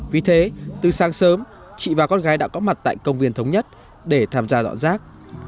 vì thế từ sáng sớm chị và con gái đã có mặt tại công viên thống nhất để tham gia dọn rác